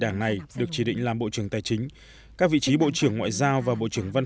đảng này được chỉ định làm bộ trưởng tài chính các vị trí bộ trưởng ngoại giao và bộ trưởng văn